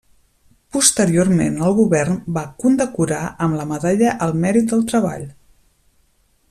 Posteriorment el Govern va condecorar amb la Medalla al Mèrit del Treball.